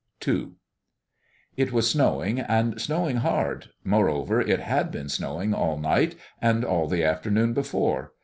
II It was snowing, and snowing hard. Moreover, it had been snowing all night, and all the afternoon before.